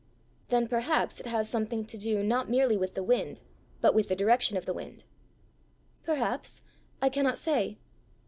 "Then perhaps it has something to do not merely with the wind, but with the direction of the wind!" "Perhaps. I cannot say."